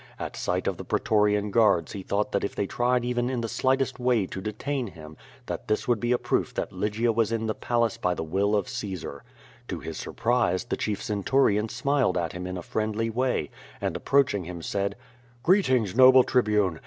At sight of the pretorian guards he thought that if they tried even in the slightest way to detain him that this would be a proof that Lygia was in the palace by the will I <o QUO VADIS. 93 of Caesar. To his surprise, the chief centurion smiled at him in a friendly way, and approaching him, said: "Greetings, noble Tribune.